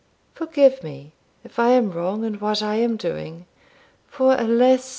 Forgive me, if I am wrong in what I am doing; for, alas!